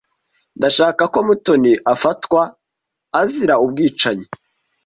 Ndashaka ko Mutoni afatwa azira ubwicanyi.